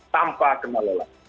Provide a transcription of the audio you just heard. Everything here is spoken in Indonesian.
tanpa kenal lelah